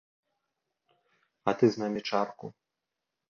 А ты з намі чарку?